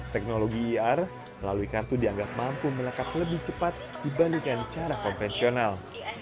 teknologi ir melalui kartu dianggap mampu melekat lebih cepat dibandingkan cara konvensional